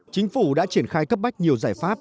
chính phủ đã triển khai cấp bách nhiều giải pháp